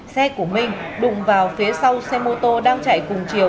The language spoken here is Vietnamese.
xe của minh đụng vào phía sau xe mô tô đang chạy cùng chiều